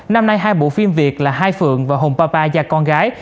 năm nay hai bộ phim việt là hai phượng và hồng papapa và con gái